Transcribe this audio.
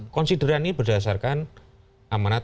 konsideran ini berdasarkan amanat